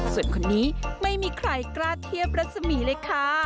ส่วนคนนี้ไม่มีใครกล้าเทียบรัศมีเลยค่ะ